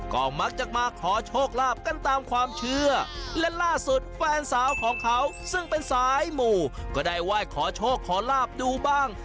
ก็มักจะมาขอโชคลาภกันตามความเชื่อและล่าสุดแฟนสาวของเขาซึ่งเป็นสายหมู่ก็ได้ไหว้ขอโชคขอลาบดูบ้าง